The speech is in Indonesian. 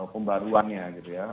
pembaruannya gitu ya